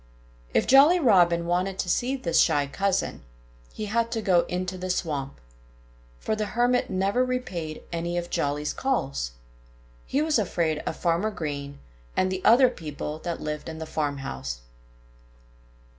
If Jolly Robin wanted to see this shy cousin, he had to go into the swamp. For the Hermit never repaid any of Jolly's calls. He was afraid of Farmer Green and the other people that lived in the farmhouse.